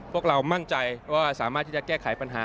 พวกเรามั่นใจว่าสามารถที่จะแก้ไขปัญหา